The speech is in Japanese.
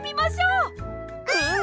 うん！